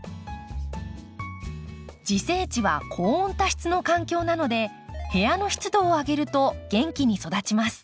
自生地は高温多湿の環境なので部屋の湿度を上げると元気に育ちます。